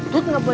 tut gak bawa